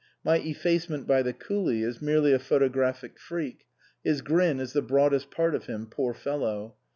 My effacement by the coolie is merely a photographic freak his grin is the broadest part of him, poor fellow.